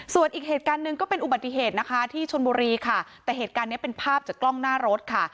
ส่วนอีกเหตุการณ์หนึ่งก็เป็นอุบัติเหตุนะคะที่ชนบุรีค่ะแต่เหตุการณ์เนี้ยเป็นภาพจากกล้องหน้ารถค่ะ